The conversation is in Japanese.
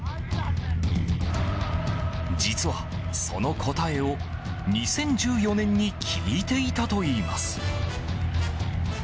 実は、その答えを２０１４年に聞いていたといいます。